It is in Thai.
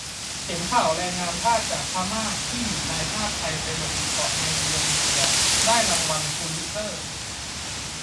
เห็นข่าวแรงงานทาสจากพม่า ที่หนีนายทาสไทยไปหลบอยู่บนเกาะในอินโดนีเซีย ได้รางวัลพูลิตเซอร์